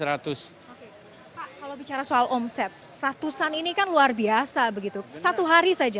pak kalau bicara soal omset ratusan ini kan luar biasa begitu satu hari saja